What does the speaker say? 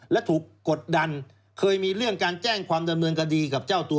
และถูกกดดันเคยมีเรื่องการแจ้งความดำเนินคดีกับเจ้าตัว